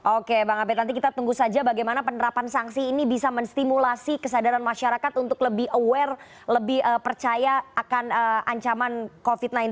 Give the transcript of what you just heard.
oke bang abed nanti kita tunggu saja bagaimana penerapan sanksi ini bisa menstimulasi kesadaran masyarakat untuk lebih aware lebih percaya akan ancaman covid sembilan belas